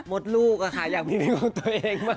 มดลูกอะค่ะอยากมีลูกของตัวเองมาก